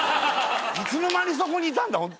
いつの間にそこにいたんだ？